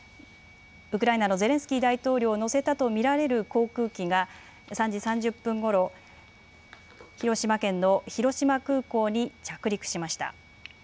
ウクライナのゼレンスキー大統領を乗せたと見られる航空機が３時３０分ごろ、広島県の広島空港に着陸しました。